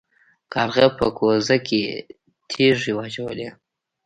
کارغه په کوزه کې تیږې واچولې.